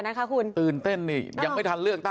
นี่ไง